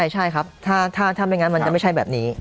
ใช่ครับถ้าไม่งั้นมันจะไม่ใช่แบบนี้